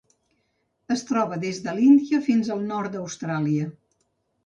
Es troba des de l'Índia fins al nord d'Austràlia.